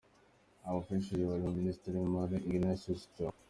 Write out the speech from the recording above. Abafashwe barimo Minisitiri w’Imari, Ignatius Chombo.